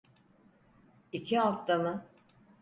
İki hafta mı?